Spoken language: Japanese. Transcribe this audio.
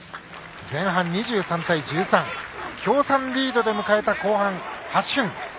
前半２３対１３と京産リードで迎えた後半８分。